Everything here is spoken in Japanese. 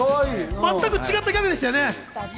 全く違ったギャグでしたね。